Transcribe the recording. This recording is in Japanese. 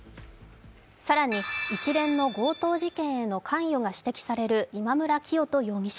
更に一連の強盗事件への関与が指摘される今村磨人容疑者。